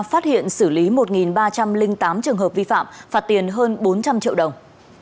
phát hiện xử lý một ba trăm linh tám trường hợp vi phạm phạt tiền hơn bốn trăm linh triệu đồng